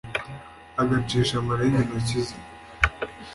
Agacisha amarenga intoki ze